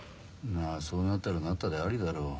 まぁそうなったらなったでありだろ。